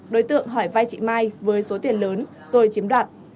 đối tượng hỏi vai chị mai với số tiền lớn rồi chiếm đoạn